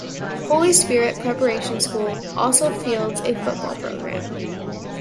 Holy Spirit Preparatory School also fields a football program.